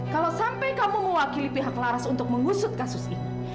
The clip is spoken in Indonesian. kalau sampai kamu mewakili pihak laras untuk mengusut kasus ini